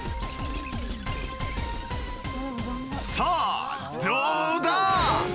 さあどうだ！？